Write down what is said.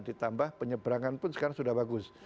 ditambah penyeberangan pun sekarang sudah bagus